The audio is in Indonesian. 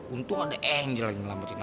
untung ada angel yang selametin aku